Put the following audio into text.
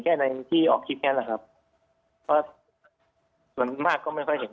แค่ในที่ออกทริปแน่นแหละครับส่วนมากก็ไม่ค่อยเห็น